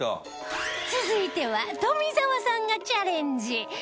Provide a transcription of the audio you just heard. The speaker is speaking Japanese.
続いては富澤さんがチャレンジ